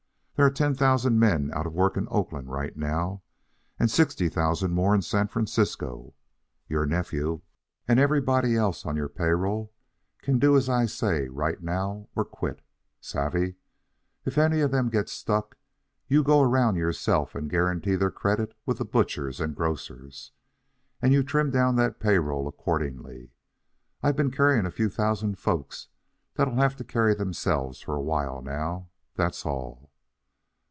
There are ten thousand men out of work in Oakland right now, and sixty thousand more in San Francisco. Your nephew, and everybody else on your pay roll, can do as I say right now or quit. Savvee? If any of them get stuck, you go around yourself and guarantee their credit with the butchers and grocers. And you trim down that pay roll accordingly. I've been carrying a few thousand folks that'll have to carry themselves for a while now, that's all."